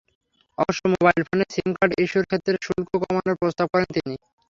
অবশ্য মোবাইল ফোনের sim card ইস্যুর ক্ষেত্রে শুল্ক কমানোর প্রস্তাব করেন তিনি।